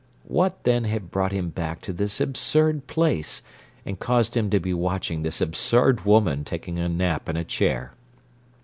What, then, had brought him back to this absurd place and caused him to be watching this absurd woman taking a nap in a chair?